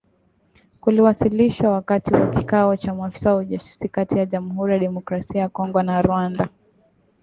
Kuliwasilishwa wakati wa kikao cha maafisa wa ujasusi kati ya Jamuhuri ya Demokrasia ya Kongo na Rwanda